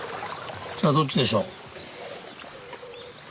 さあどっちでしょう？